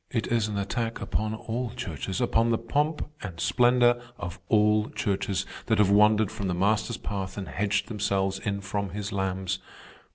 It is an attack upon all churches, upon the pomp and splendor of all churches that have wandered from the Master's path and hedged themselves in from his lambs.